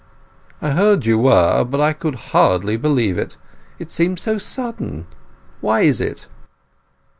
"I heard you were, but could hardly believe it; it seems so sudden. Why is it?"